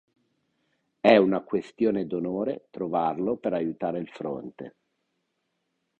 È una questione d'onore trovarlo per aiutare il fronte.